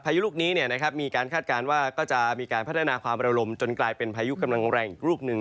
พายุลูกนี้มีการคาดการณ์ว่าก็จะมีการพัฒนาความระลมจนกลายเป็นพายุกำลังแรงอีกลูกหนึ่ง